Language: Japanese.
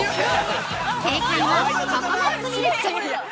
◆正解は、ココナッツミルク！